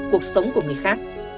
cuộc sống của người khác